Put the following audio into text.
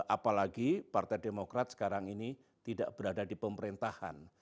apalagi partai demokrat sekarang ini tidak berada di pemerintahan